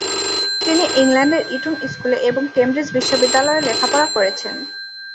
তিনি ইংল্যান্ডের ইটন স্কুলে এবং কেমব্রিজ বিশ্ববিদ্যালয়ে লেখাপড়া করেছেন।